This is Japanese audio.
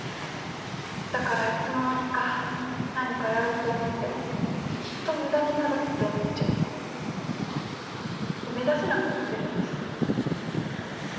だからいつの間にか何かやろうと思ってもきっと無駄になるって思っちゃって踏み出せなくなってるんです。